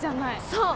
そう！